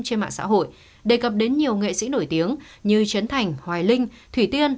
trên mạng xã hội đề cập đến nhiều nghệ sĩ nổi tiếng như trấn thành hoài linh thủy tiên